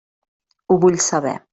Ho vull saber.